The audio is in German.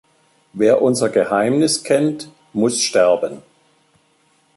Wer unser Geheimnis kennt, muss sterben!